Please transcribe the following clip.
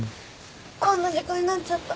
こんな時間になっちゃった。